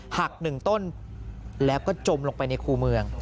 หักหนึ่งต้นแล้วก็จมลงไปในคู่เมือง